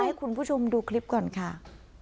ให้คุณผู้ชมดูคลิปก่อนค่ะ